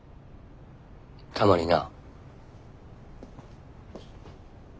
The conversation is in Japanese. たまにな。